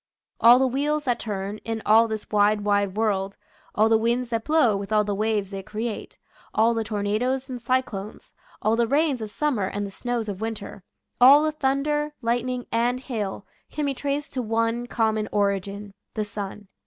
All the wheels that turn, in all this wide, wide world, all the winds that blow with all the waves they create, all the tornadoes and cyclones, all the rains of summer and the snows of winter, all the thun der, lightning, and hail, can be traced to one common origin — the sun.